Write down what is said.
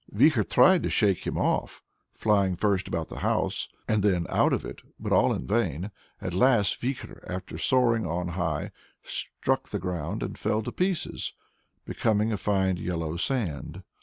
Vikhor tried to shake him off, flying first about the house and then out of it, but all in vain. At last Vikhor, after soaring on high, struck the ground, and fell to pieces, becoming a fine yellow sand.